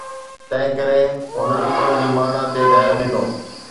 تنهن ڪري هنن ان جي معنيٰ تي ڌيان ڏنو